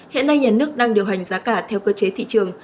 hiện nay nhà nước đang điều hành giá cả theo cơ chế thị trường